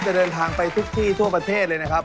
เดินทางไปทุกที่ทั่วประเทศเลยนะครับ